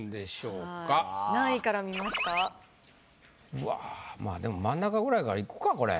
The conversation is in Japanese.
うわまぁでも真ん中ぐらいからいくかこれ。